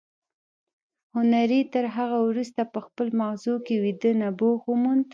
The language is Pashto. هنري تر هغه وروسته په خپلو ماغزو کې ویده نبوغ وموند